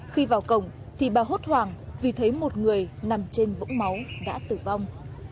khi vào cổng thì bà hốt hoảng vì thấy một người nằm trên vũng máu đã tử vong